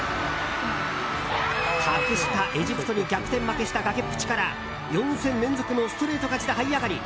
格下エジプトに逆転負けした崖っぷちから４戦連続のストレート勝ちではい上がり